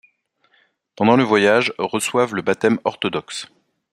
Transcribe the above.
Pendant le voyage reçoivent le baptême orthodoxe.